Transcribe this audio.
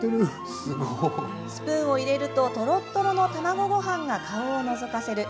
スプーンを入れるととろっとろの卵ごはんが顔をのぞかせる。